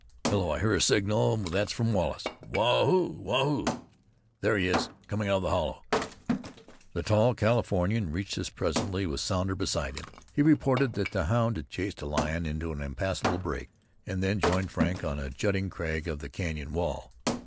Hello! I hear a signal. That's from Wallace. Waa hoo! Waa hoo! There he is, coming out of the hollow." The tall Californian reached us presently with Sounder beside him. He reported that the hound had chased a lion into an impassable break. We then joined Frank on a jutting crag of the canyon wall.